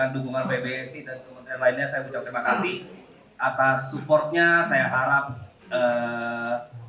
tim yang berhasil menjadi juara adalah